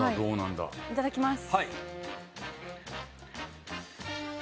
いただきます。